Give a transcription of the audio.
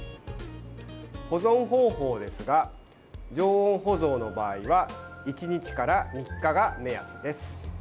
保存方法ですが常温保存の場合は１日から３日が目安です。